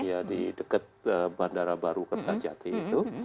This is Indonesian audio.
iya di dekat bandara baru ketajati itu